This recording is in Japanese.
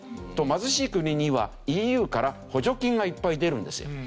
貧しい国にはＥＵから補助金がいっぱい出るんですよ。